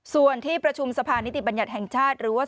ส่วนที่ประชุมสภานิติบัญญัติแห่งชาติหรือว่า